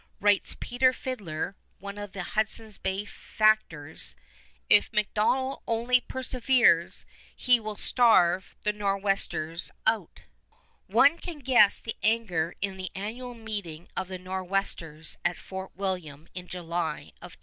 Writes Peter Fidler, one of the Hudson's Bay factors, "If MacDonell only perseveres, he will starve the Nor westers out." [Illustration: FORT DOUGLAS] One can guess the anger in the annual meeting of the Nor'westers at Fort William in July of 1814.